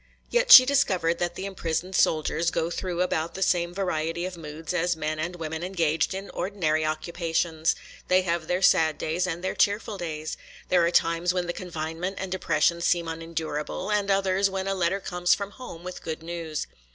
Yet she discovered that the imprisoned soldiers go through about the same variety of moods as men and women engaged in ordinary occupations. They have their sad days and their cheerful days. There are times when the confinement and depression seem unendurable, and others when a letter comes from home with good news.